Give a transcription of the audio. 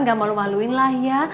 gak malu maluin lah ya